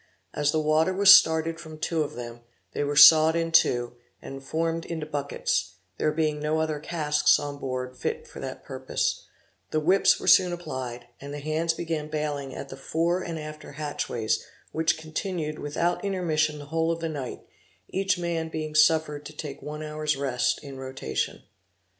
As the water was started from two of them, they were sawed in two, and formed into buckets, there being no other casks on board fit for that purpose; the whips were soon applied, and the hands began bailing at the fore and after hatchways which continued without intermission the whole of the night, each man being suffered to take one hour's rest, in rotation.